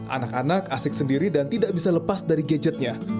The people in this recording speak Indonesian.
anak anak asik sendiri dan tidak bisa lepas dari gadgetnya